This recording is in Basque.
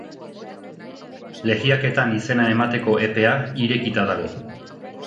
Lehiaketan izena emateko epea irekita dago.